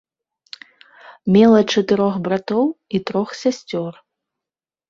Мела чатырох братоў і трох сясцёр.